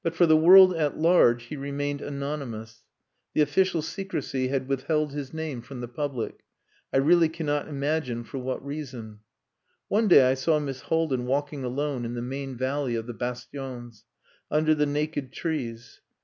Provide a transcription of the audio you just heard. But for the world at large he remained anonymous. The official secrecy had withheld his name from the public. I really cannot imagine for what reason. One day I saw Miss Haldin walking alone in the main valley of the Bastions under the naked trees.